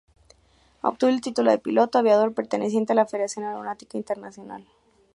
Obtuvo el título de Piloto Aviador perteneciente a la Federación Aeronáutica Internacional.